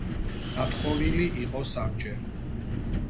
გათხოვილი იყო სამჯერ.